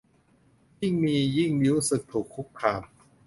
ยิ่งมียิ่งรู้สึกถูกคุกคาม